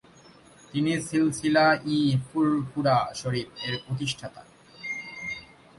তিনি "সিলসিলা-ই-ফুরফুরা শরীফ" এর প্রতিষ্ঠাতা।